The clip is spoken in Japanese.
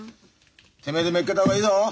てめえでめっけた方がいいぞ。